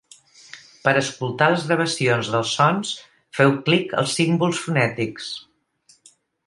Per escoltar les gravacions dels sons, feu clic als símbols fonètics.